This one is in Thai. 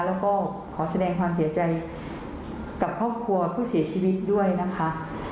แล้วก็ขอแสดงความเสียใจกับครอบครัวผู้เสียชีวิตด้วยนะคะ